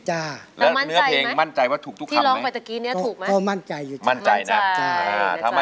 และแล้วเนื้อเพลงมั่นใจว่าถูกทุกคำไหม